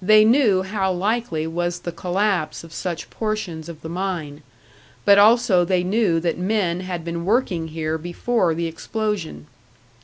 They knew how likely was the collapse of such portions of the mine; but also they knew that men had been working here before the explosion.